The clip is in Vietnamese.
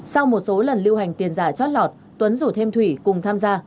sau một số lần lưu hành tiền giả trót lọt tuấn rủ thêm thủy cùng tham gia